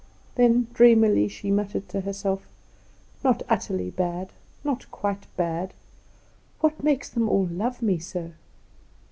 Then dreamily she muttered to herself: "Not utterly bad, not quite bad what makes them all love me so?"